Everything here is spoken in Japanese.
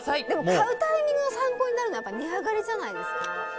でも買うタイミングの参考になるのは値上がりじゃないですか。